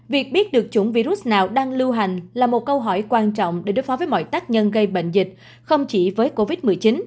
việc biết được chủng virus nào đang lưu hành là một câu hỏi quan trọng để đối phó với mọi tác nhân gây bệnh dịch không chỉ với covid một mươi chín